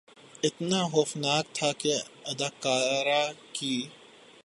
اتنا خوفناک تھا کہ اداکارہ کی